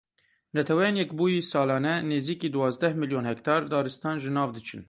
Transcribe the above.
Netewên Yekbûyî salane nêzîkî duwazdeh milyon hektar daristan ji nav diçin.